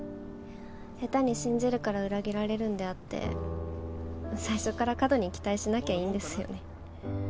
下手に信じるから裏切られるんであって最初から過度に期待しなきゃいいんですよね。